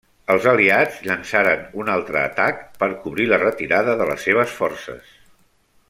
Els aliats llençaren un altre atac per cobrir la retirada de les seves forces.